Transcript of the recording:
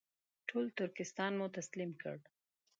ټول ترکستان مو تسلیم کړ.